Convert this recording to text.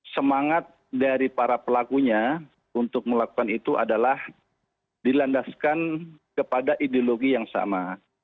semangat dari para pelakunya untuk melakukan itu adalah dilandaskan kepada ideologi yang sama